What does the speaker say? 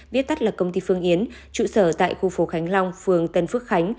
viết tắt là công ty phương yến trụ sở tại khu phố khánh long phường tân phước khánh